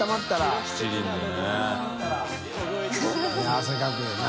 汗かくよな。